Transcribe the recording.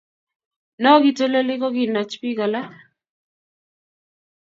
No kiteleli kokinach bik alak